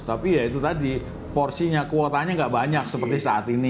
tapi ya itu tadi porsinya kuotanya nggak banyak seperti saat ini